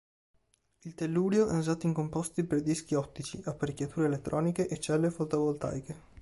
Il tellurio è usato in composti per dischi ottici, apparecchiature elettroniche e celle fotovoltaiche.